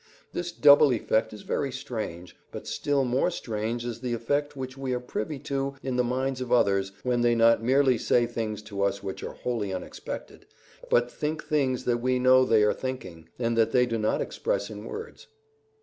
This double effect is very strange, but still more strange is the effect which we are privy to in the minds of others when they not merely say things to us which are wholly unexpected, but think things that we know they are thinking, and that they do not express in words.